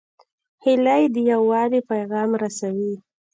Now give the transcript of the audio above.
هیلۍ د یووالي پیغام رسوي